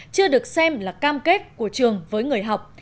chưa được xem là cam kết của trường với người học